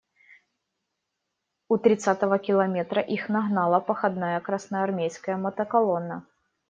У тридцатого километра их нагнала походная красноармейская мотоколонна.